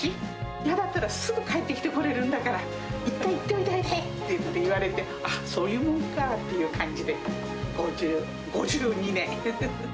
嫌だったらすぐ帰ってきてこれるんだったら、一回行っておいでって言われて、あっ、そういうものかっていう感じで、５２年。